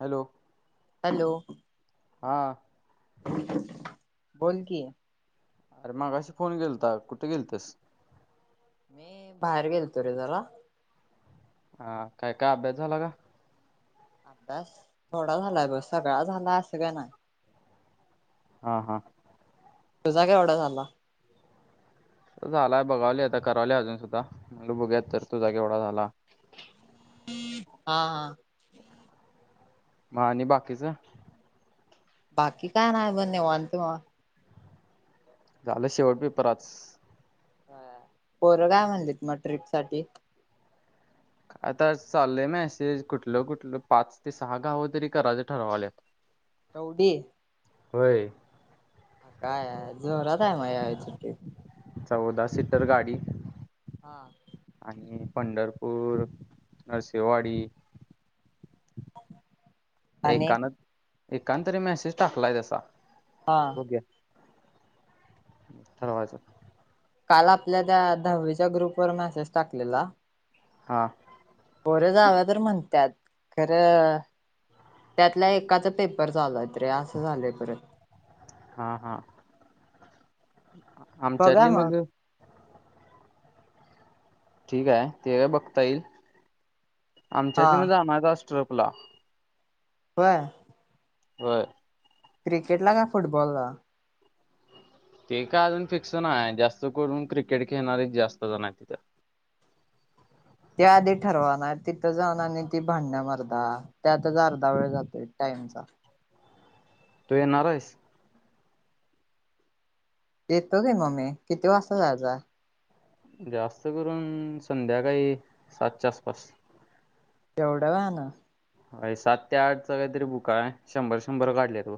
Hello. Hello. हा बोल कि. अरे मगाशी फोन के, कुठ गेलतीस? मी बाहेर गेलतो रे जरा. हा. काय काय, अभ्यास झाला का? अभ्यास थोडा झालाय बग, सगळा झाला असं काय नाय. हा हा. तुझा केवडा झाला? झालाय बघालोय आता करालोय अजून सुद्धा, म्हणलं बघुया तस तुझा केवढा झाला. हा हा. म आणि बाकीच? बाकी काय नाय ब निवांत भावा. झालं शेवट पेपर आज. हा पोरं काय म्हणलीत मग ट्रीप साठी? आता चालय मॅसेज कुठल, कुठलं पाच ते सहा गाव तरी करायचं ठरवाल्यात. एवढी? होय. आता जोरान हाय म या वेळची ट्रीप. चौदा सीटर गाडी हा आणि पंढर पूर, नरसिंहवाडी आणि एकान, एकान तरी मेसेज टाकलाय तसा. हा. म ठरवायच काल आपल्या त्या दहावीच्या ग्रुप वर मेसेज टाकलेला हा. पोरं जाउया तर म्हणत्यात, खरं त्यातला एकाचा पेपर चालूय तर असं झालंय परत हा हा आमच्यातली मग ठीक हाय. ते काय बघता ईल, हा आमच्यातली पण जाणाराय [unintelligible] ला होय, होय, क्रिकेट ला का? फुटबॉल ला, ते का अजून फिक्सन नाही आहे, जास्त करून क्रिकेट खेळणारेच जास्त जण आहे तिथं. [unintelligible] ते आधी ठरवा नाय तर तिथं जाऊन, आणि ती भांडण्या मर्दा त्यातच अर्धा वेळ जातोय. त्याचा, तु येणार आहेस? येतो गी मग मी किती वाजता जायचा? जास्त करून, संध्याकाळी सातच्या आसपास. एवढा वेळान? होय सात ते आठचा काहीतरी बुक हाय शंभर, शंभर काढली ब.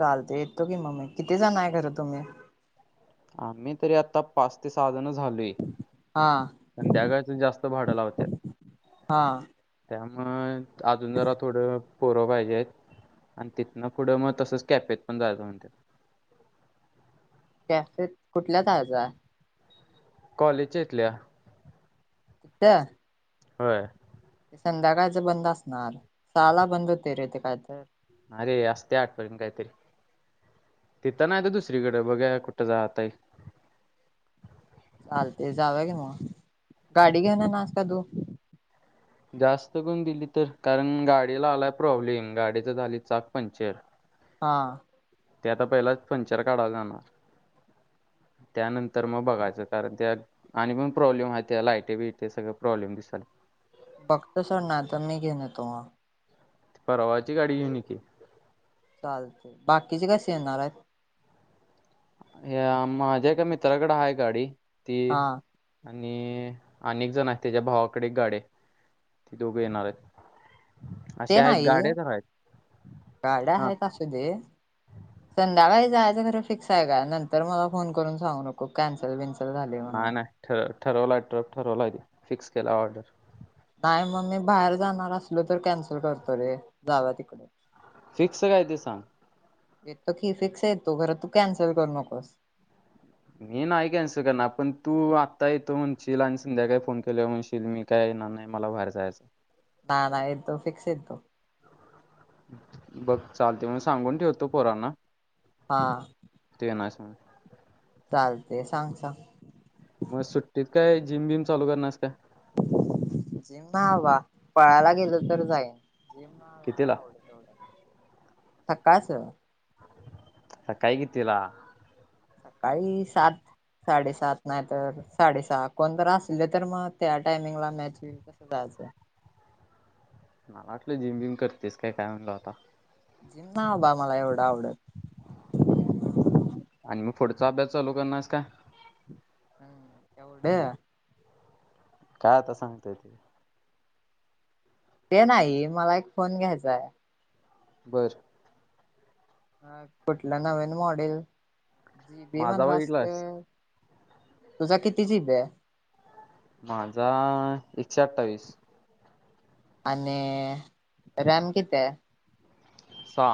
चालत येत तो की मग मी किती जण आहे खरं तुम्ही? आम्ही तरी आता पाच ते सहजनच. झालोय, हा संध्या गच जास्त भाडं लावत्या. हा त्यामुळे अजून जरा थोडं. पोरं पाहिजे, आणि तिथन पुढं मग तसच कॅपेत पण जायचं म्हणते. [unintelligible] कॅफ त कुठला जायचं आहे? कॉलेज च्या हेतल्या, कुठं? होय. संध्याकाळच बंद असणार सहा ला बंद होते, रे ते काय तर. अरे असत या आठ परते काहीतरी. तिथं नाही तर दुसरीकडे बघा कुठं जाताई. चालते जाऊया की म गाडी घेऊन येणार आहिस काय तू? जास्त गुण दिली तर, कारण गाडीला आलाय प्रॉब्लेम गाडीच झाली चाक पंक्चर. हा. ते आता पहिला पंचर काढावणार जाणार त्यानंतर, तर मग बघायचं कारण त्या आणि पण प्रॉब्लेम आहेत, त्या लाइटे बिटे सगळे प्रॉब्लेम दिसाला. बघतो सोड नाही तर मी घेऊन येतो म, परवाची गाडी घेऊन ये की. चालतंय, बाकीचे कशी येणार आहेत? या माझ्या का मित्राकडे, हाय गाडी ती. हा आणि अनेक जण आहेत, त्याच्या भावाकडे गाडी ती दोघ येणार आहेत. ते असे आहेत नाही गाड्या तर आहेत. गाड्या हा आहेत असू दे संध्याकाळी जायचं, जायचं तरी फिक्स आहे, का नंतर मला फोन करून सांगू नको. केन्सल बेन्सल, नाही नाही ठर ठरवल तर्फे, ठरवला फिक्स केला ऑर्डर. नाही मग मी बाहेर जाणार, असलो तर कॅन्सल करतो रे जाव तिकडे. फिक्स काय ते सांग. येतो की फिक्स येतो खरं तू कॅन्सल करू नकोस. मी नाही कॅन्सल करणार, पण तू आत्ता येतो म्हणशील, आणि संध्याकाळी फोन केले म्हणशील मी काय. जमणार नाही मला बाहेर जायचं. नाय नाय येतो फिक्स यतो. बघ चालते म्हण सांगून ठेवतो पोरांना. हा तू येणार आहेस म्हणून, चालते सांग सांग. मग सुट्टीत काय जिम बिम चालू करणार आहिस काय? जिम नाय बाबा, पळायला गेलं तर जाईन. जिम लाना कितीला आवडे तेव सकाळ च. सकाळी कितीला. सकाळी सात. साडेसात नाही तर साडेसहा कोणत असले तर मग त्या टायमिंगला मॅच होईल तसे जायचे मला वाटलं जिम बिम करतेस काय काय म्हणलं आता जिम ना बा मला एवढं आवडत आणि मग पुढचा अभ्यास चालू करणारस का हम् एवड काय आता सांगतय ते ते नाही मला एक फोन घ्यायचाय बर अ कुठलं नवीन मॉडेल जीबी माझा म्हणवा असते बघितलास तुझा किती जीबी आहे माझा एकशे अठ्ठावीस आणि रॅम किती सहा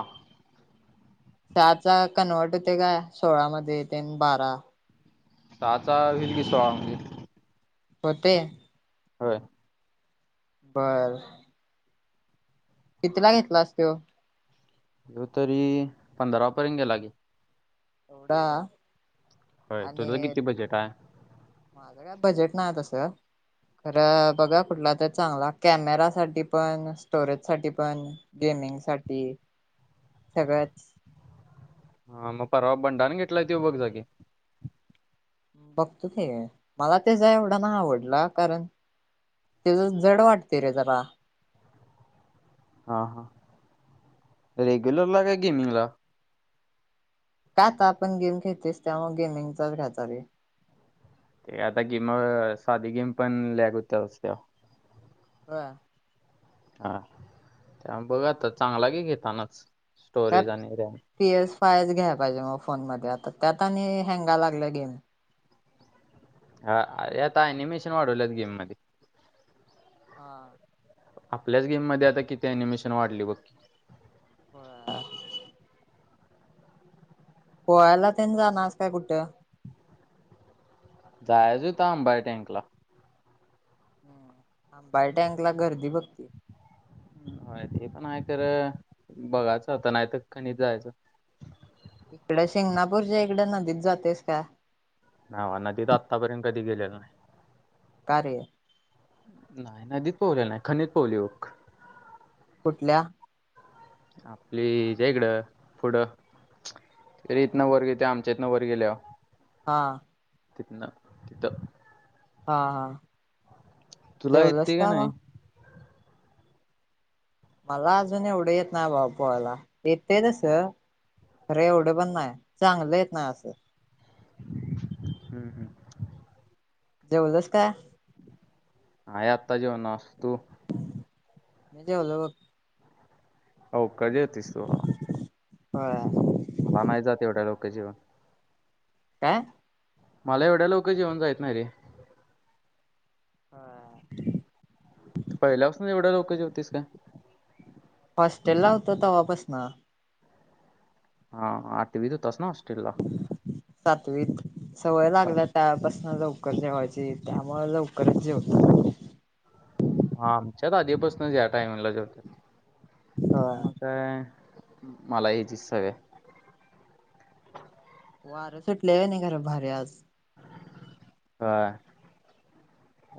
सहा चा कन्वर्ट होते काय सोळामध्ये ते बारा सहाचा होल की सोळा म्हणजे होते होय बर कितीला घेतला अस तो हो तरी पंधरापर्यंत गेला की एवढा होय आणि तुझं किती बजेट आहे माझं काय बजेट ना तसे खरं बघा कुठला तर चांगला कॅमेरा साठी पण स्टोरेज साठी पण गे साठी सगळं हा मग परवा बंडाण घेतला तो बघ जा कि बघतो ते मला तेचा एवढा ना आवडला कारण तेच जड वाटते रे जरा हा हा रेग्युलर ला काय गेमिंग ला काय आता आपण गेम खेळतेस त्यामु गेमिंगचाच घ्याचा रे ते आता गेम साधी गेम पण लॅग होत असते होय हा त्या बघा आता चांगला की घेतानाच का स्टोरेज आणि रॅम. पी एस फायच घ्यायला पाहिजे मग फोन मध्ये आता त्यात आणि हँगा लागल्या गेम हा अरे आता अनिमेशन वाढवलंत गेम मध्ये हा आपल्याच गेम मध्ये आता किती अनिमेशन वाढली बघकी हो पोहाले ते जाणारस काय कुठे जायच होत आंबा टँकला हम् आंबाय टँक ला गर्दी बघकी होय ते पण आहे खरं बघायचं आता नाही तर कनीच जायचं इकडे शिंगणापूरच्या इकडे नदीत जातेस का ना नदीत आत्तापर्यंत कधी गेलेलं नाही का रे नाही नदीत पोवले नाही खनित पोहवलो बग कुठल्या आपलीच्या इकडं पुढं अरे इथनं वरगेत आमच्या इतथनं वरगल्या हा तिथन तिथं हा हा तुला जेवलस येतते का नाही मग मला अजून एवढं येत ना बापोला येतय तस अरे एवढं पण नाही चांगलंेत ना असं हम्म हम्म जऊदस का ह आत्ता जेवणस तू मी जेवलं बघ होऔ का जोतीसू हो मला नाही जात एवढ्या लोक जीवन काय मला एवढ्या लोक जेवण जायत नाही रे हा पहिल्याासून एवढं लोक ज्योतिष का त तवापस ना हा आ ते विधु तस नस सातवीत सवय सात लागल्या त्यापासन जाऊ उकर जेवायची त्यामुळे उकरच ज होत आमच्यात आधीपासून या्या टाईमला जेवत्या त्या होय मग काय मला हच इ सग आहे वार सुटल्याय नाही घरा भारी आज हा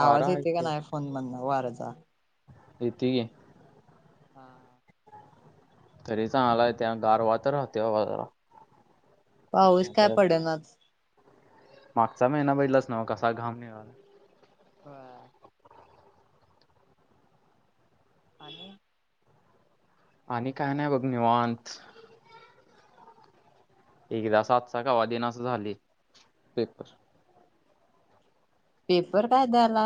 आवाज येते का नाही फोन मधून वारचा यती गे हा तरी चांगलाय त्या गारवा तर राहते बाजार पाऊस काय पडे नाज मागचा महिना बजलाच नव कसा घाम निघला हा आणि आणि काय नाही बघ निवांत एकदा सात स गवा दिनास झाली पेपर पेपर काय द्याला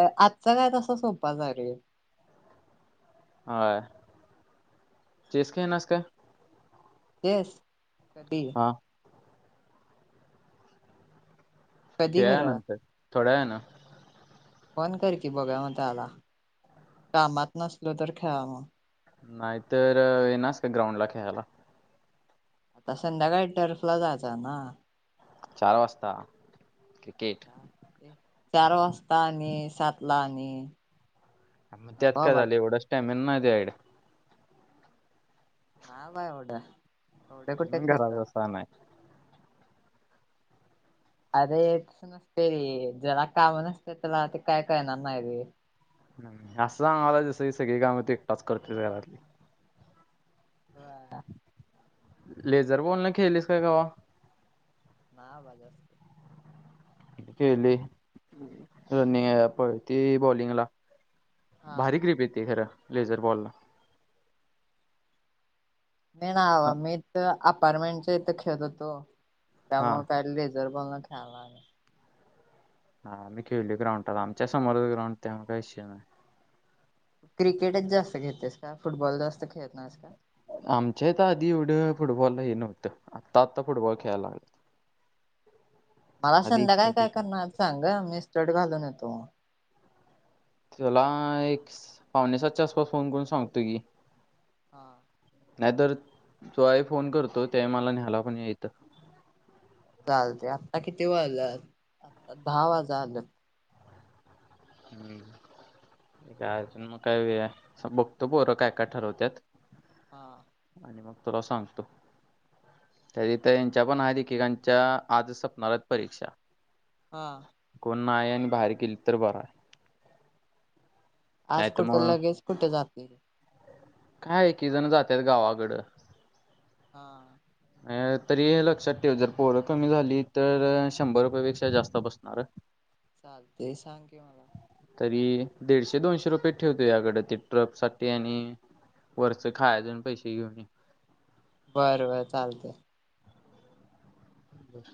आजचा काय तसा सोपा झा रे हा स का नास का येस कधी क कधी आहे खरं नंतर थोड्या आहे ना पण कर की बघा म त्या आला कामात नसलो तर खेळा मग नाहीतर ये नास का ग्राउंड ला खेळायला आता संध्याकाळी टर्फला जायच ना चार वाजता क्रिकेट चार वाजता आणि सात ला मग त्यात नको काय बा झालं एवढंच टॅमिन नाही त्यायड हा बा एवढं एवढ म्हणून कुठेेत घरात बसला नाही अरे त नसते र जला काम नसते तला ते काय काय नन आहे रे असं सांगाला जस की सगळी काम त एकटाच करते घरातली [inaudible] लेझर बॉलन खेळलीस काय कवा? नाय अबा [inaudible] केली रनिंग पळती बॉलिंगला. हा भारी ग्रीप येती खरं लेझर बॉलला. नाही ना मी तरअपार्टमेंटच्या इथं खेळत होतो. हा त्यामुळे काय ले लेजर बॉल न हा आम्ही खेळलो ग्राउंडला आमच्या समोरच ग्राउंड आहे त्यामुळे काही विषय नाही. क्रिकेटच जास्त खेळतोस का? फुटबॉल जास्त खेळत नाहीस का? आमच्या इथ आधी एवढं फुटबॉलही हे नव्हतं आत्ता आत्ता फुटबॉल खेळायला लागल्यात. [unintelligible] मला संध्याकाळी काय करणार सांग मी [inaudible] घालून येतो मग. तुला एक पावणेसातच्या आसपास फोन करून सांगतो की. हा नाहीतर तो फोन करतो त्यावेळी मला न्यायला पण ये इथ. चालतय आता किती वाजायलात आता दहा वाजल्यात. हम्म अजून मग काय वेळ हाय बघतो पोर काय काय ठरवतात? हा. आणि मग तुला सांगतो. तरी ते यांच्या पण एककांच्या आजच सपनार आहेत परीक्षा. हा कोण नाही आणि बाहेर केली तर बरा. आज नाही तर कुठे मग लगेच कुठे जातय. काय एकीक जण जातात गावाकडं. हा अ तरी लक्षात ठेव जर पोरं कमी झाली तर शंभर रुपयापेक्षा जास्त बसणार. चालते सांग की मला. तरी दीडशे दोनशे रुपये ठेव तू ज्या कड ते ट्रक साठी आणि वरच खायच पैसे घेऊन ये. बर बर चालतय.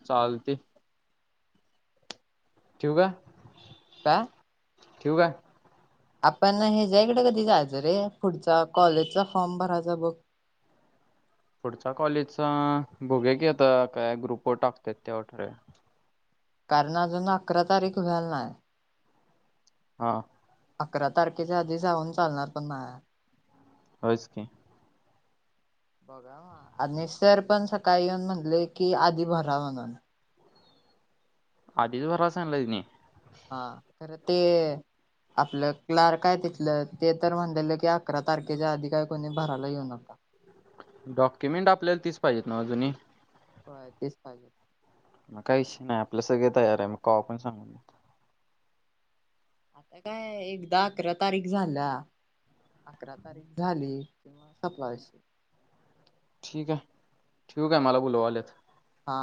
चालतय. ठेऊ का? का? ठेऊ का? आपण ह्याचा कडे कधी जायचं रे पुढचा कॉलेजचा फॉर्म भरायचा बघ. [unintelligible] पुढच्या कॉलेजचा बघूया की आता काय ग्रुप वर टाकत्यात तेव्हा ठरवूया. कारण अजून अकरा तारीख व्हाल नाय. हा अकरा तारखेच्या आधी जाऊन चालणार पण नाय. होयच की. बघा आणि सर पण सकाळी येऊन म्हणलंय की आधी भरा म्हणून. आधीच भराय सांगितलाय नी. हा खरं ते आपलं क्लार्क आहे तिथलं ते तर म्हणलं की अकरा तारखेच्या आधी काही कोणी भराला येऊ नका. डॉक्युमेंट आपल्याला तीच पाहिजेत न व जुनी? होय तेच पाहिजेत. मग का विषय नाही आपला सगळे तयार आहे मग कवा पण सांगू देत. आता काय एकदा अकरा तारीख झाल्या अकरा तारीख झाली. [unintelligible] ठीकय ठेऊ काय? मला बोलवालेत. हा.